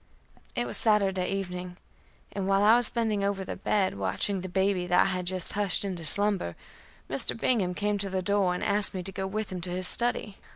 It was Saturday evening, and while I was bending over the bed, watching the baby that I had just hushed into slumber, Mr. Bingham came to the door and asked me to go with him to his study.